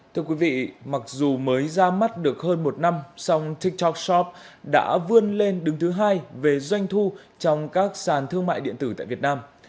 thưa quý vị mặc dù mới ra mắt được hơn một năm song tiktok shop đã vươn lên đứng thứ hai về doanh thu trong các sàn thương mại điện tử tại việt nam